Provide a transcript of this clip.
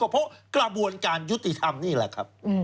เพราะกระบวนการยุติธรรมนี่แหละครับ